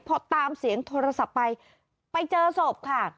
พอตามเสียงโทรศัพท์ไปไปเจอศพค่ะ